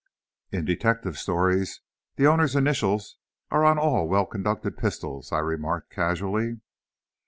"In detective stories the owner's initials are on all well conducted pistols," I remarked, casually.